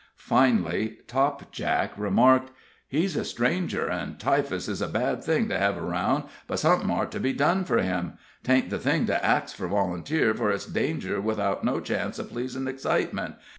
Finally, Topjack remarked: "He's a stranger, an' typhus is a bad thing to hev aroun', but somethin' 'ort to be done for him. 'Taint the thing to ax fur volunteers, fur it's danger without no chance of pleasin' excitement.